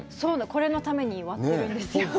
これのために割ってるんですよ。